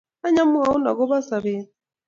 Any amwaun akobo sobet.